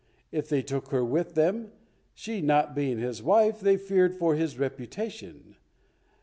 If they took her with them, she not being his wife, they feared for his reputation.